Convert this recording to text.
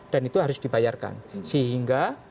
dan itu harus dibayarkan sehingga